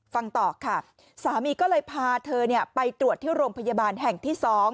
ฟังต่อค่ะสามีก็เลยพาเธอไปตรวจที่โรงพยาบาลแห่งที่๒